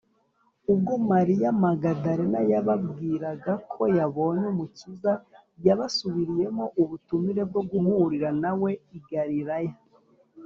ubwo mariya magadalena yababwiraga ko yabonye umukiza, yabasubiriyemo ubutumire bwo guhurira na we i galilaya